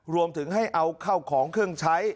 รวมถึงให้เอาเข้าของเครื่องใช้